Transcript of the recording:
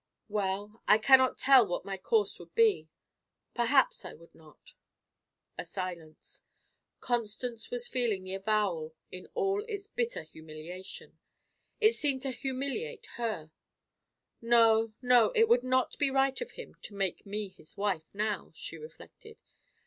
"Well I cannot tell what my course would be. Perhaps, I would not." A silence. Constance was feeling the avowal in all its bitter humiliation. It seemed to humiliate her. "No, no; it would not be right of him to make me his wife now," she reflected.